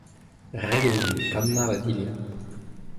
Ret eo din kannañ ma dilhad.